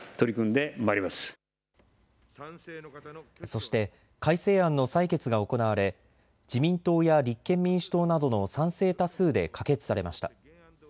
そして改正案の採決が行われ自民党や立憲民主党などの賛成多数で可決されました。